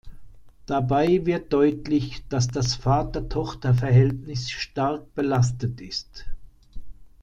Dabei wird deutlich, dass das Vater-Tochter-Verhältnis stark belastet ist.